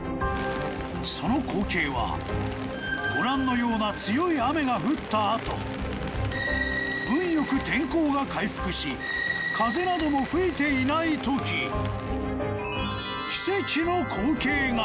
その光景はご覧のような強い雨が降ったあと運良く天候が回復し風なども吹いていない時奇跡の光景が。